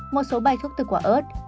một số bài thuốc từ quả ớt